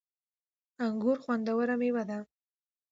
انګور خوندوره مېوه ده